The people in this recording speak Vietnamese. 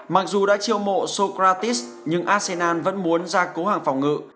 mặc dù đã chiêu mộ sokratis nhưng arsenal vẫn muốn ra cố hàng phòng ngự